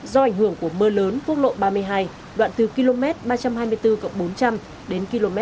do ảnh hưởng của mưa lớn quốc lộ ba mươi hai đoạn từ km ba trăm hai mươi bốn bốn trăm linh đến km ba trăm hai mươi chín